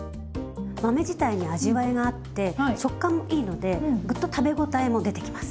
豆自体に味わいがあって食感もいいのでグッと食べ応えも出てきます。